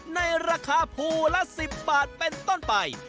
ในราคาภูละ๑๐บาทเป็นต้นไป